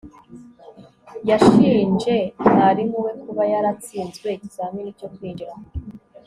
yashinje mwarimu we kuba yaratsinzwe ikizamini cyo kwinjira